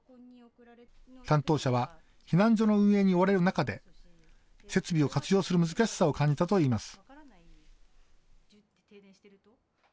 担当者は避難所の運営に追われる中で設備を活用する難しさを感じたといいます。